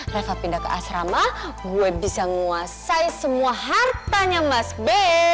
reva pindah ke asrama gue bisa menguasai semua hartanya mas b